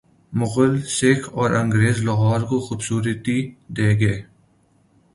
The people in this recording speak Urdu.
مغل، سکھ اور انگریز لاہور کو خوبصورتی دے گئے۔